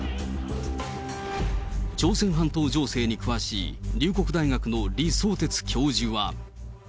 朝鮮半島情勢に詳しい龍谷大学の李相哲教授は。